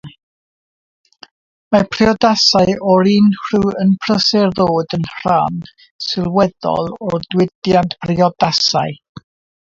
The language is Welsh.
Mae priodasau o'r un rhyw yn prysur ddod yn rhan sylweddol o'r diwydiant priodasau.